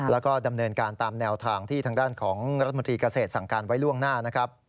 แล้วก็ดำเนินการตามแนวทางที่ทางด้านของรัฐมนตรีเกษตรสั่งการไว้ล่วงหน้านะครับ